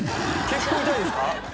結構痛いですか？